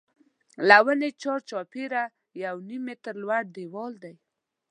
له ونې چار چاپېره یو نیم متر لوړ دیوال دی.